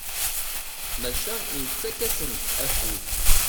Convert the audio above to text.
Maca yettak-asen-d afud.